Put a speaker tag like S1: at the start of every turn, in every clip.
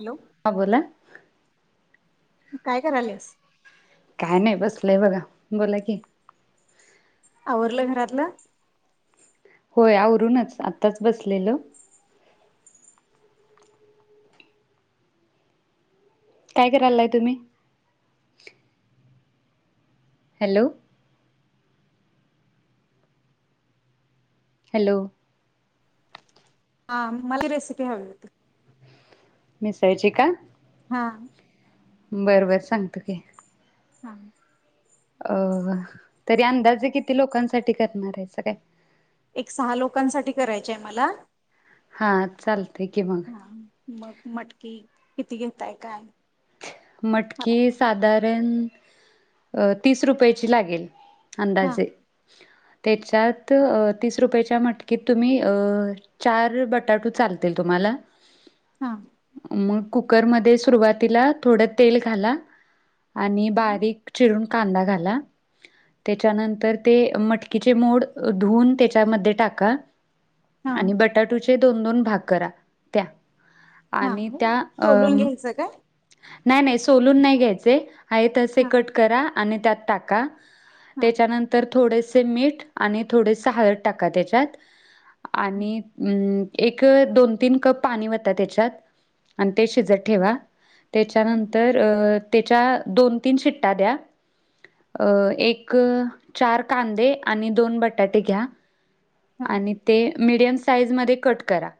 S1: Hello!
S2: हा बोला
S1: काय कराल्यास?
S2: काय नाही बसलोय बघा, बोला की,
S1: आवरलं घरातलं?
S2: होय! आवरूनच, आत्ताच बसलेलो काय करायला तुम्ही? हॅलो! हॅलो!
S1: हा! मला ती रेसिपी हवी होती?
S2: मिसळची का!
S1: हा!
S2: बरं, बरं, सांगतो की,
S1: हा!
S2: अ, तरी अंदाजे किती लोकांसाठी करणार आहेसा काय?
S1: एक सहा लोकांसाठी करायची आहे मला,
S2: हा, चालते की, मग
S1: हा, मग मटकी किती घेताय का?
S2: मटकी साधारण तीस रुपयाची लागेल.
S1: हा
S2: अंदाजे, त्याच्यात अ तीस रुपयाच्या मटकीत तुम्ही चार बटाटू चालतील तुम्हाला
S1: हा!
S2: मग कुकरमध्ये सुरुवातीला थोडं तेल घाला आणि बारीक चिरून कांदा घाला त्याच्यानंतर ते मटकीचे मोड धुवून त्याच्यामध्ये टाका
S1: हा
S2: आणि बटाटोचे दोन दोन भाग करा त्या आणि त्या अं म
S1: चका
S2: नाही नाही सोलून नाही घ्यायचे आहे तसे
S1: हा
S2: कट करा आणि त्यात टाका.
S1: हा
S2: त्याच्यानंतर थोडेसे मीठ आणि थोडेस हळद टाका त्याच्यात आणि अं एक दोन तीन कप पाणी ओता त्याच्यात आणि ते शिजत ठेवा. त्याच्यानंतर त्याच्या दोन तीन शिट्या द्या. अ एक चार कांदे आणि दोन बटाटे घ्या.
S1: हा
S2: आणि ते मीडियम साईज मध्ये कट करा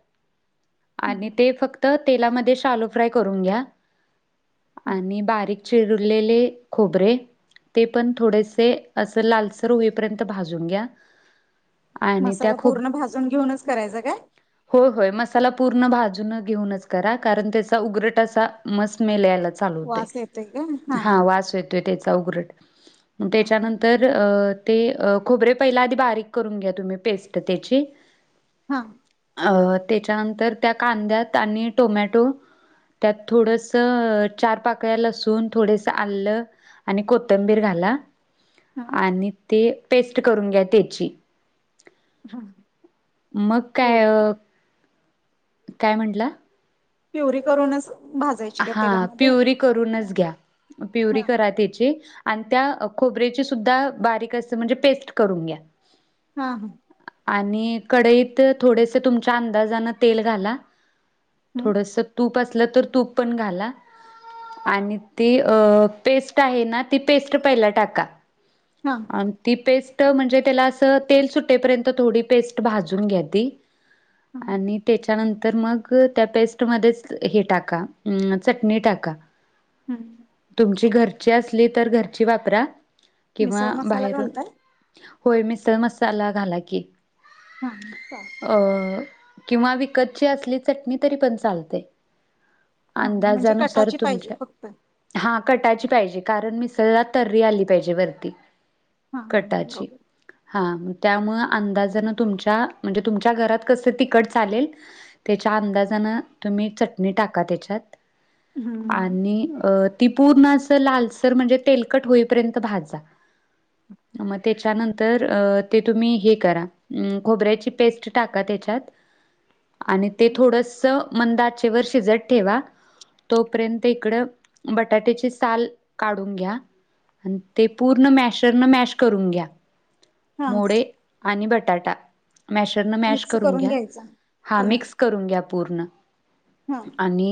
S2: आणि ते फक्त तेलामध्ये शालो फ्राय करून घ्या
S1: हा
S2: आणि बारीक चिरलेले खोबरे ते पण थोडेसे असं लालसर होईपर्यंत भाजून घ्या. आणि त्या
S1: मसाला पूर्ण भाजून घेऊनच करायचा काय
S2: हो होय मसाला पूर्ण भाजून घेऊनच करा कारण त्याचा उगरटा असा स्मेलस यालाच
S1: वास येतोय काय
S2: हा वास येतो त्याचा उगरट मग
S1: हा
S2: त्याच्यानंत तर ते खोबरे पहिल्या आधी बारीक करून घ्या तुम्ही पेस्ट त्याची
S1: हां
S2: अ त्याच्यानंतर त्या कांद्यात आणि टोमॅटो त्यात थोडसं चार पाकळ्या लसून थोडसं आलं आणि कोथंबीर घाला
S1: [inaudible]
S2: आणि ते पेस्ट करून घ्या त्याची.
S1: हा,
S2: मग काय अ
S1: प्युरी
S2: काय म्हटंला?
S1: प्युरी करून असं भाज
S2: हा प्युरी करूनच घ्या प्युरी
S1: हा
S2: करा त्याची. आणि त्या खोबऱेची सुद्धा बारीक अस म्हणजे पेस्ट करून घ्या.
S1: हा हा
S2: आणि कढईत थोडेसे तुमच्या अंदाजानं तेल घाला.
S1: हम्म
S2: थोडसं तूप असलं तर तूप पण घाला. आणि ती पेस्ट आहे ना ती पेस्ट पहिला टाका.
S1: हां
S2: आणि ती पेस्ट म्हणजे त्याला असं तेल सुट्टेपर्यंत थोडी पेस्ट भाजून घ्या ती.
S1: हा
S2: आणि त्याच्यानंतर मग त्या पेस्टमध्येच हे टाका. हंम चटणी टाका.
S1: हम्
S2: तुमची घरची असली तर घरची वापरा
S1: मिसळ
S2: किंवा
S1: मसाला
S2: बाहेरून
S1: घालताय
S2: होय मिसळ मसाला घाला की
S1: हा चालतंय
S2: अं किंवा विकतची असली चटणी तरी पण चालते.
S1: हा म्हणजे
S2: अंदाजानुसार
S1: कटाची पाहिजे
S2: तुमच्या.
S1: फक्त
S2: हा कटायची पाहिजे कारण मिसळला तर्री आली पाहिजे वरती.
S1: हा हम्म,
S2: कटाची.
S1: बरोबर
S2: हां, म त्यामुळ अंदाजान तुमच्या, म्हणजे तुमच्या घरात, कसं तिकट चालेल त्यच्या अंदाजानं, तुम्ही चटणी टाका त्याच्यात,
S1: हम्म
S2: आणि ती पूर्ण असं लालसर, म्हणजे तेलकट होईपर्यंत, भाजा. मग त्याच्यानंतर, अ ते तुम्ही, हे करा म खोबऱ्याची पेस्ट, टाका त्याच्यात.
S1: [inaudible]
S2: आणि ते
S1: हम्म
S2: थोडंसं, मंद आचेवर शिजत ठेवा, तोपर्यंत इकड बटाट्याची साल, काढून घ्या. अन, ते पूर्ण मॅशरन, मॅश करून घ्या.
S1: हा
S2: मोडे आणि बटाटा, मॅशरन, मॅश
S1: मिक्स
S2: करून घ्या,
S1: घ्यायचा
S2: हां मिक्स करून घ्या, पूर्ण.
S1: ह्म.
S2: आणि,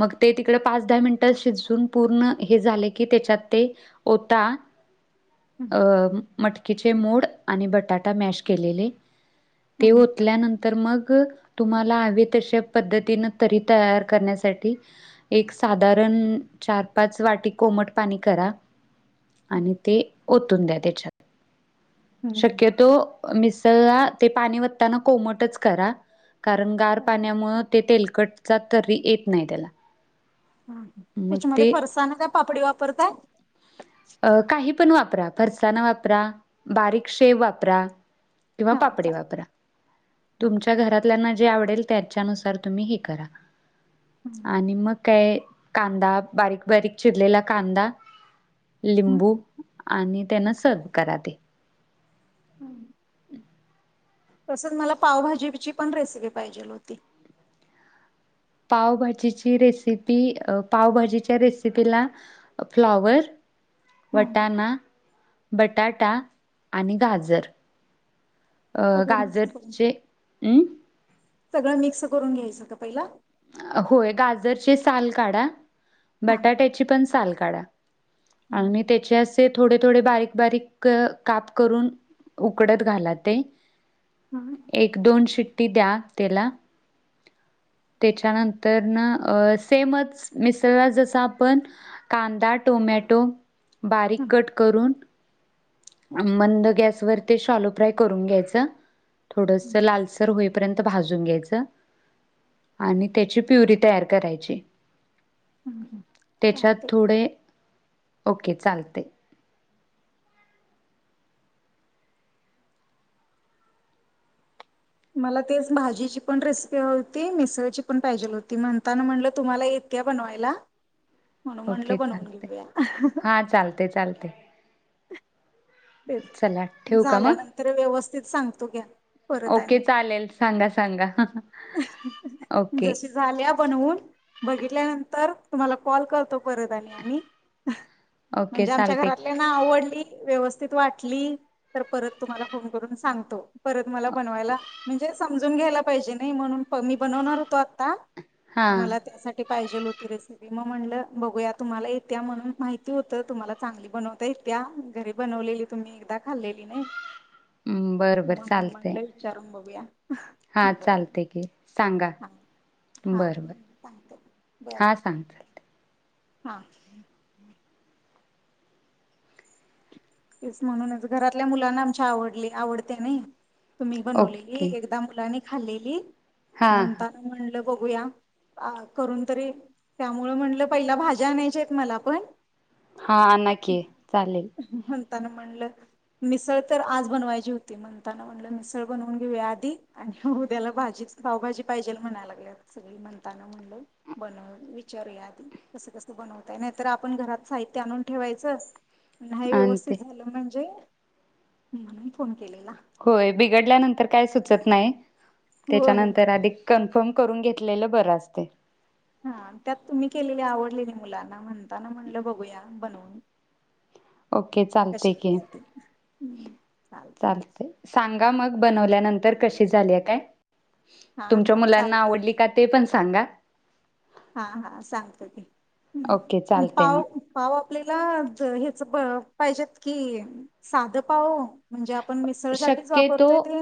S2: मग ते तिकड, पाच-दहा मिनटं, शिजून पूर्ण, हे झाले की, त्याच्यात ते ओता.
S1: हम्म
S2: अ मटकीचे मोड, आणि बटाटा मॅश केलेले ते
S1: हम्म
S2: ओतल्यानंतर मग, तुम्हाला हवे तशा पद्धतीन, तरी तयार करण्यासाठी एक साधारण, चार-पाच वाटी, कोमट पाणी करा.
S1: हा
S2: आणि ते ओतून द्या, त्याच्यात.
S1: हम्म हम्म.
S2: शक्यतो मिसळला, ते पाणी ओतताना, कोमटच करा. कारण गार
S1: हा
S2: पाण्यामुळ, ते तेलकटचा, तरी येत नही त्याला.
S1: हाका,
S2: मग
S1: त्याच्यामध्ये
S2: ते
S1: फरसाण का, पापडी वापरतात?
S2: अ काही पण वापरा, फरसान वापरा, बारीक शेव वापरा किंवा
S1: हा
S2: पापडी
S1: चालेल
S2: वापरा, तुमच्या घरात ज्यांना, जे आवडेल त्याच्यानुसार, तुम्ही हे करा, आणि मग काय कांदा, बारीक-बारीक चिरलेला कांदा लिंबू, आणि त्यांना सर्व करा ते.
S1: तसंच मला, पावभाजीची पण रेसिपी, पाहिजेल होती.
S2: पावभाजीची रेसिपी, अ पावभाजीच्या रेसिपीला फ्लॉवर,
S1: हा
S2: वटाणा बटाटा आणि गाजर, अ
S1: सगळं मिक्स करून
S2: गाजरचे अं?
S1: सगळं मिक्स करून, घ्यायचं का पहिल?
S2: होय गाजरचे साल काढा,
S1: हा
S2: बटाट्याची पण साल काढा आणि त्याच्यास ते थोडे-थोडे, बारीक-बारीक, क-काप करून, उकडत घाला, ते.
S1: हं.
S2: एक- दोन शिट्टी द्या, त्याला त्याच्यानंतर ना, अ सेमच मिसळला, जसं आपण कांदा, टोमॅटो, बारीक
S1: हम्म.
S2: कट करून मंद गॅसवर, ते शालो फ्राय करून घ्यायचं, थोडंसं लालसर होई पर्यंत भाजून घ्यायचं, आणि त्याची प्युरी, तयार करायची.
S1: हम्म.
S2: त्याच्यात
S1: चालते
S2: थोडे, ओके चालतय
S1: मला तेच, माजीची पण रेसिपी हवी होती, मिसळची पण पाहिजेल होती, म्हणताना म्हणलं, तुम्हाला ये येतीया बनवायला म्हणून म्हणलं बनवून घेऊया.
S2: चालतंय चालतंय चला
S1: तेचं
S2: ठेवू का मग
S1: झाल्यानंतर व्यवस्थित सांगतो घ्यां
S2: ओके चालेल सांगा सांगा ओके
S1: झाल्यां बनवूंन बघितल्यानंतर तुम्हांला कॉल करतो परंत आणि आम्हीं
S2: ओके
S1: म्हणजे आमच्यां
S2: चालते
S1: घरांतली त्यांना आवडली व्यवस्थित वाटली तरं परंत तुम्हांला फोन करूंन सांगतो. परंत मलां बनवांयला म्हणजे समजूंन घ्यायंला पाहिजे नई म्हणूंन मी बनवणांर होतो आंता
S2: हा
S1: मलां त्यांसाठी टी पाहिजेल होती रेसिपी मगं म्हणलं बघूंया तुम्हांला येतिया म्हणूंन माहिती होतं तुम्हांला चांगली बनवतां येतीया घरी बनवलेली तुम्हीं एकदां खाल्लेली नई
S2: हम्म, बरं बरं
S1: म्हणूंन म्हटलं विचारूंन बघूंया
S2: हां चालतंय की सांगा बरं
S1: हां
S2: बरं
S1: सांगते बरं
S2: हां सांगते
S1: हां. तेचं म्हणूनचं घरांतल्या मुलांना आमची आवडली आवडते नई तुम्हीं बनवलेली
S2: ओके
S1: एकदां मुलांनी खाल्लेली
S2: हा
S1: म्हणतांना म्हणलं बघूंया अं करूंन तरी त्यामूळे म्हटलं पहिला भाज्यां आणांयच्या आहेतं मलां पणं
S2: हां आंनिकी चालेल
S1: म्हणतांना म्हणलं मिसळं तरं आंज बनवांयची होती म्हणतांना म्हणलं मिसळं बनवूंन घेऊं आंधी आणि उद्यांला भाजी पावभाजी पाहिजेल म्हणांय लागल्यांत सगळें म्हणतांना बनवूंन विचारूंया आंधी कसं कसं बनवतांय नाहीं तरं आपणं घरांत साहित्यं आणूंन ठेवायचं. नाहीं
S2: आणि
S1: व्यवस्थित
S2: ते
S1: झालं म्हणजे म्हणूंन फोन केलेला
S2: होयं बिघडल्यानंतर कायं सुचतं नाहीं
S1: होय
S2: त्यांच्यानंतर अधिक कन्फर्म करूंन घेतलेलं बरं असतंय.
S1: हां त्यांत तुम्हीं केलेली आवडलेली मुलांना म्हणतांना म्हणलं बघूंया बनवूंन
S2: ओके चालतंय की
S1: हम्मं
S2: चालतंय सांगा मगं बनवल्यानंतर कशी झाली आहे कायं
S1: हा
S2: तुमच्यां
S1: हा
S2: मुलांना
S1: चालते
S2: आवडली कां ते पणं सांगा.
S1: हां हां सांगतो की,
S2: ओके
S1: पणं
S2: चालतंय
S1: पांव?
S2: मग
S1: पांव आपल्यांला ह्यांचं पाहिजेत की, साधं पांव म्हणजे मिसळसाठीच
S2: शक्यतो,
S1: वापरतोय ते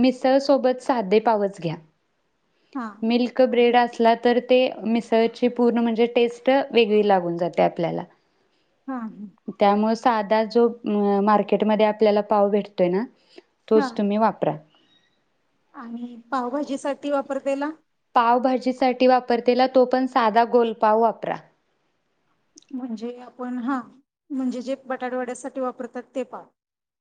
S2: मिसळं सोबतं सांधे पावचं घ्यां.
S1: हा
S2: मिल्क ब्रेड
S1: आणि-
S2: असल्यांव तरं ते मिसळची पूर्ण म्हणजे, टेस्टं वेगळी लागूंन जाते आपल्यांला.
S1: हां हां
S2: त्यांमुळे सांधा जो मार्केटमध्यें आपल्यांला पांव भेटतोय नां,
S1: हा
S2: तोचं तुम्हीं वापरां.
S1: आणि पावभाजी सांठी वापरतेला?
S2: पावभाजी सांठी वापरतेला, तो पणं सांधा गोलपांव वापरा.
S1: म्हणजे आपणं हां, म्हणजे जे बटाटवड्यांसाठी वापरतांत ते पांव.